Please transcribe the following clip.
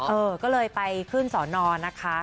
เออก็เลยไปขึ้นสอนอนะคะ